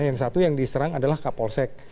yang satu yang diserang adalah kapolsek